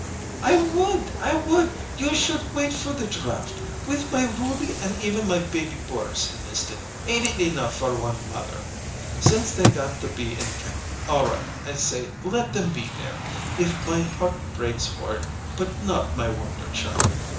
"I would! Would! You should wait for the draft. With my Roody and even my baby Boris enlisted, ain't it enough for one mother? Since they got to be in camp, all right, I say, let them be there, if my heart breaks for it, but not my wonder child!